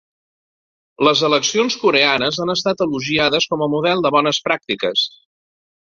Les eleccions coreanes han estat elogiades com a model de bones pràctiques.